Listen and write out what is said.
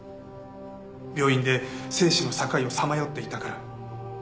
病院で生死の境をさまよっていたから。